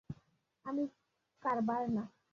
আমি কার্ভার না!